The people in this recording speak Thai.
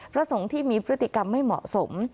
พระสงฆ์ที่มีพฤติกรรมไม่เหมาะสม